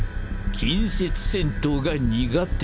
近接戦闘が苦手。